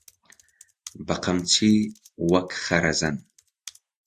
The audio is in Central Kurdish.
بەقەمچی وەک خەرەزەن